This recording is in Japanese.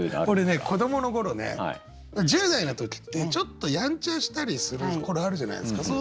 俺ね子どもの頃ね１０代の時ってちょっとやんちゃしたりする頃あるじゃないですか。